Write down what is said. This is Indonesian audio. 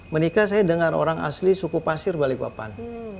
menikah saya dengan orang asli suku pasir balikpapan